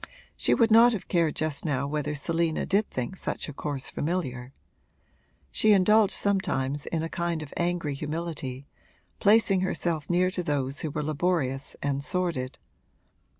She would not have cared just now whether Selina did think such a course familiar: she indulged sometimes in a kind of angry humility, placing herself near to those who were laborious and sordid.